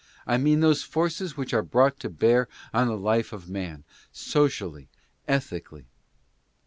I mean those forces which are brought to bear on the life of man, socially, ethically.